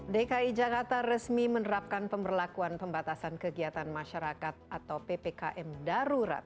dki jakarta resmi menerapkan pemberlakuan pembatasan kegiatan masyarakat atau ppkm darurat